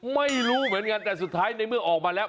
ไม่รู้เหมือนกันแต่สุดท้ายในเมื่อออกมาแล้ว